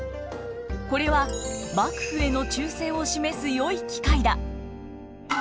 これは幕府への忠誠を示すよい機会だ。